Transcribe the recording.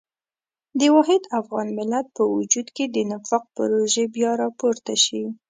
د واحد افغان ملت په وجود کې د نفاق پروژې بیا راپورته شي.